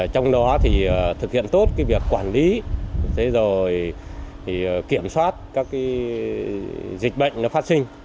trong đó thì thực hiện tốt việc quản lý kiểm soát các dịch bệnh phát sinh